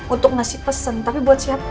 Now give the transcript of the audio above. untuk ngasih pesan tapi buat siapa